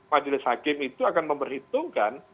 majelis hakim itu akan memperhitungkan